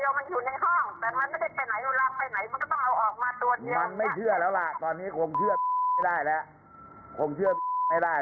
ไม่ใช่ขอแค่ตัวเดียวมันอยู่ในห้องแต่มันไม่ได้ไปไหนรับไปไหนมันก็ต้องเอาออกมาตัวเดียวมันไม่เชื่อแล้วล่ะตอนนี้คงเชื่อไม่ได้แล้ว